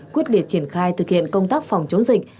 quyết liệt triển khai thực hiện công tác phòng chống dịch